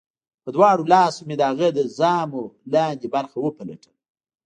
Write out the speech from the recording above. په دواړو لاسو مې د هغه د ژامو لاندې برخه وپلټله